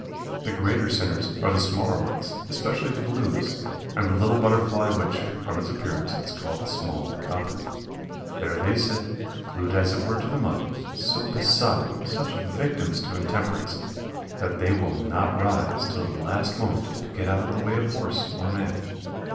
The greater sinners are the smaller ones, especially the blues, and the little Butterfly which, from its appearance, is called the "small copper." There they sit, glued as it were to the mud so besotted, such victims to intemperance, that they will not rise till the last moment to get out of the way of horse or man.